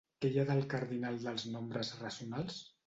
Què hi ha del cardinal dels nombres racionals?